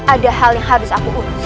ada hal yang harus aku urus